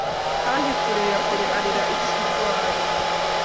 Kandi kure ya kure arira ikigwari